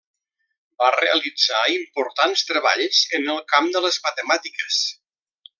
Va realitzar importants treballs en el camp de les matemàtiques.